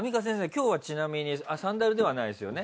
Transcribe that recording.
今日はちなみにサンダルではないですよね？